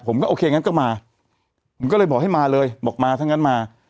ผมก็โอเคงั้นก็มาก็เลยบอกให้มาเลยบอกมาทั้งกันมา